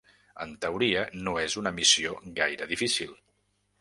En teoria, no és una missió gaire difícil.